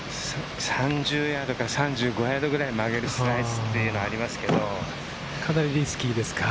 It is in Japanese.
３０ヤードから３５ヤードくらい曲げるスライスというのがありまかなりリスキーですか？